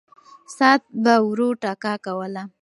ساعت به ورو ټکا کوله.